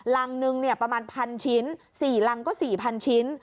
รังหนึ่งเนี่ยประมาณพันชิ้นสี่รังก็สี่พันชิ้น